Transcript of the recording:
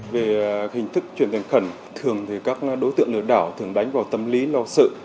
về hình thức chuyển tiền khẩn thường thì các đối tượng lừa đảo thường đánh vào tâm lý lo sự